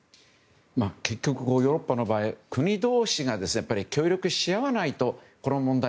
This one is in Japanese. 結局ヨーロッパの場合国同士が協力し合わないとこの問題